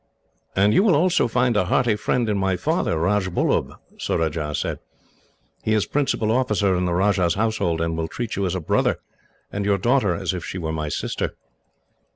"And you will also find a hearty friend in my father, Rajbullub," Surajah said. "He is principal officer in the Rajah's household, and will treat you as a brother, and your daughter as if she were my sister."